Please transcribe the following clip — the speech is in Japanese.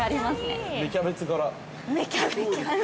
◆芽キャベツ柄。